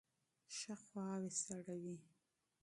ښه خواوې سړوئ.